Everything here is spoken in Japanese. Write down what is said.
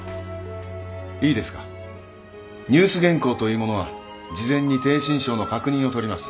ニュース原稿というものは事前に逓信省の確認を取ります。